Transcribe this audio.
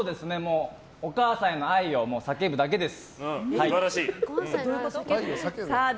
お母さんへの愛を叫ぶだけです。